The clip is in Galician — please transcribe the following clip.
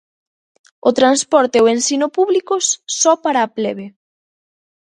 O transporte e o ensino públicos, só para a plebe.